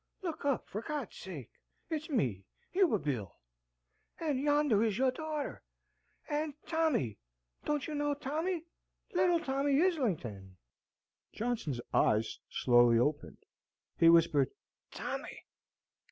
look up, for God's sake! it's me, Yuba Bill! and yonder is your daughter, and Tommy! don't you know Tommy, little Tommy Islington?" Johnson's eyes slowly opened. He whispered, "Tommy!